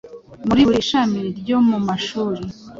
Muri buri shami ryo mu mashuri,